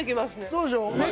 そうでしょ